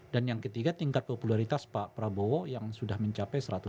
dan yang ketiga tingkat popularitas pak prabowo yang sudah mencapai seratus